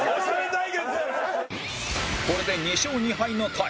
これで２勝２敗のタイ